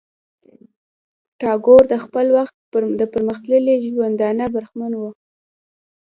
ټاګور د خپل وخت د پرمختللی ژوندانه برخمن وو.